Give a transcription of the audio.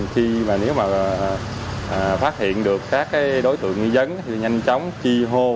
khi mà nếu mà phát hiện được các đối tượng nghi dấn thì nhanh chóng chi hô